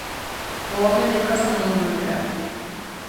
O home de Rosa non volverá.